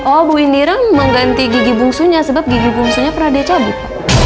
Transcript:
oh bu indira mengganti gigi bungsunya sebab gigi bungsunya pernah dicabut